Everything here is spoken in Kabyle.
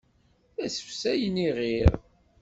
La ssefsayen iɣir.